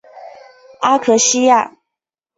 阿克西亚。